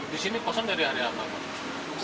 di sini kosong dari hari apa